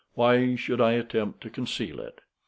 Why should I attempt to conceal it?"